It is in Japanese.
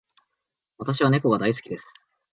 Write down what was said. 私は猫が大好きです。